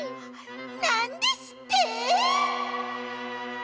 なんですって！？